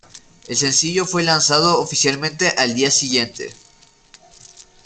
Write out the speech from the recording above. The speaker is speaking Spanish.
El sencillo fue lanzado oficialmente al día siguiente.